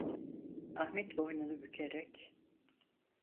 Ahmet boynunu bükerek: